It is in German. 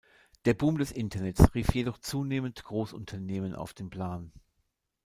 Der Boom des Internets rief jedoch zunehmend Großunternehmen auf den Plan.